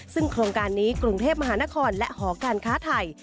ซึ่งโครงการนี้กรุงเทพมหานครและหอการค้าไทย